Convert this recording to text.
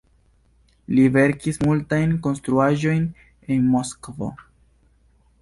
Li verkis multajn konstruaĵojn en Moskvo.